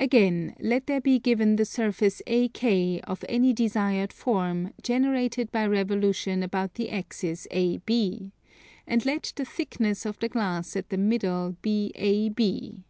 Again, let there be given the surface AK, of any desired form, generated by revolution about the axis AB, and let the thickness of the glass at the middle be AB.